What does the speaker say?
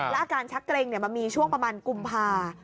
อาการชักเกร็งมันมีช่วงประมาณกุมภา